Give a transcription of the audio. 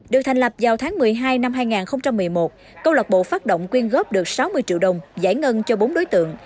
được thành lập vào tháng một mươi hai năm hai nghìn một mươi một câu lạc bộ phát động quyên góp được sáu mươi triệu đồng giải ngân cho bốn đối tượng